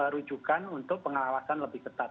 rujukan untuk pengawasan lebih ketat